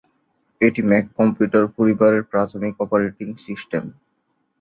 এটি Mac computer পরিবারের প্রাথমিক অপারেটিং সিস্টেম।